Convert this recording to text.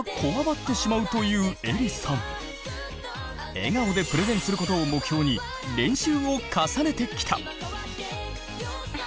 笑顔でプレゼンすることを目標に練習を重ねてきた。